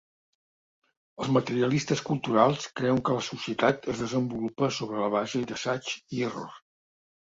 Els materialistes culturals creuen que la societat es desenvolupa sobre la base d'assaig i error.